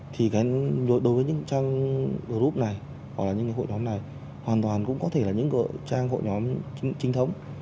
thì đối với những trang group này hoặc là những hội nhóm này hoàn toàn cũng có thể là những trang hội nhóm trinh thống